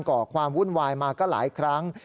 ่อความวุ่นวายมาก็หลายครั้ง